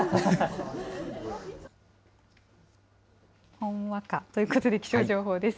ほんわか、ということで気象情報です。